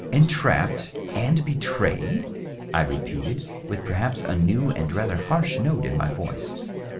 " Entrapped and betrayed ?" I repeated, with perhaps a new and rather harsh note in my voice.